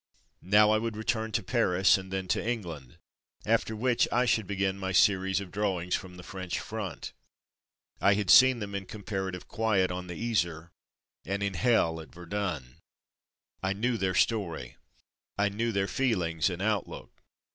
Now I would return to Paris and then to England, after which I should begin my series of drawings from the French front. I had seen them in comparative quiet on the Death and Devastation 199 Yser, and in hell at Verdun. I knew their story. I knew their feelings and outlook.